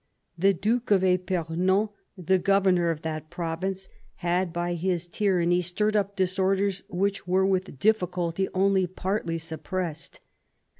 The Duke of i^pemon, the governor of that province, had, by his tyranny, 76 76 MAZARIN chap. stirred up disorders which were with difficulty only partly suppressed.